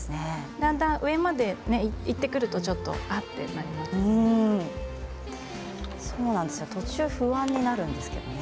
だんだん上までいってくるとあっとなりますね。